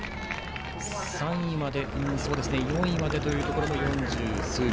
４位までというところも四十数秒。